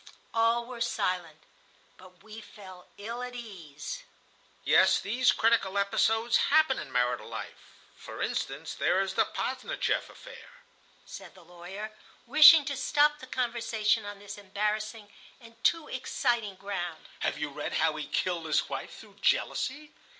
All were silent, but we felt ill at ease. "Yes, these critical episodes happen in marital life. For instance, there is the Posdnicheff affair," said the lawyer, wishing to stop the conversation on this embarrassing and too exciting ground. "Have you read how he killed his wife through jealousy?"